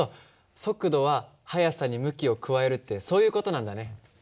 速度は速さに向きを加えるってそういう事なんだね。